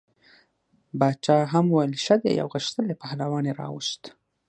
باچا هم وویل ښه دی او غښتلی پهلوان یې راووست.